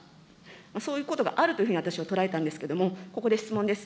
そういうことがあるというふうに私は捉えたんですけれども、ここで質問です。